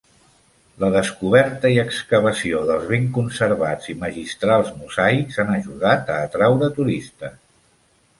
La descoberta i excavació dels ben conservats i magistrals mosaics han ajudat a atraure turistes.